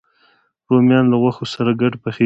رومیان له غوښو سره ګډ پخېږي